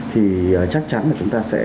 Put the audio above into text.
thì chắc chắn là chúng ta sẽ